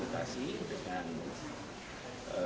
dan organisasi balapan internasional